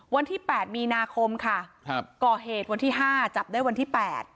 วันที่๘มีนาคมค่ะก่อเหตุวันที่๕จับได้วันที่๘